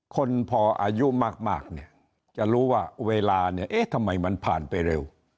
คนพออายุมากจะรู้ว่าเวลาทำไมมันผ่านไปเร็ว